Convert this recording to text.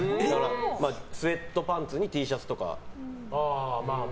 スウェットパンツにＴシャツとか。